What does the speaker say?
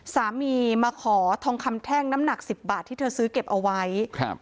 สามีมาขอทองคำแท่งน้ำหนักสิบบาทที่เธอซื้อเก็บเอาไว้ครับ